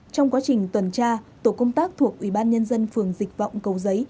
trong quá trình tuần tra tổ công tác thuộc ủy ban nhân dân phường dịch vọng cầu giấy